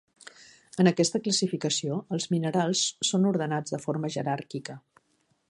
En aquesta classificació els minerals són ordenats de forma jeràrquica.